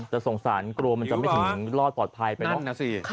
แต่สงสารกลัวมันจะไม่ถึงรอดปลอดภัยไปเนอะนะสิ